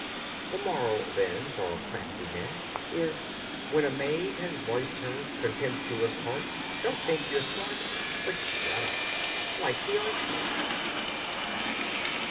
THE MORAL, then, for crafty men Is: When a maid has voiced her Contemptuous heart, don't think you're smart, But shut up like the oyster.